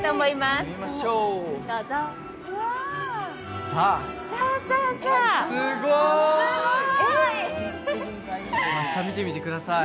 すごーい！